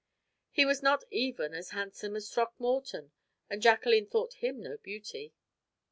He was not even as handsome as Throckmorton, and Jacqueline thought him no beauty.